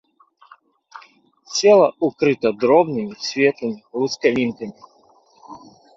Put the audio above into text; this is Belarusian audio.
Цела ўкрыта дробнымі светлымі лускавінкамі.